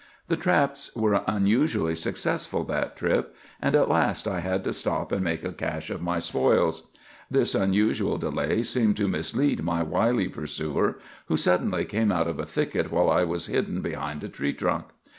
"The traps were unusually successful that trip, and at last I had to stop and make a cache of my spoils. This unusual delay seemed to mislead my wily pursuer, who suddenly came out of a thicket while I was hidden behind a tree trunk.